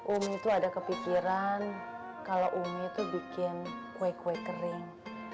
umi itu ada kepikiran kalau umi itu bikin kue kue kering